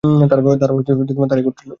তারা তারই গোত্রের লোক।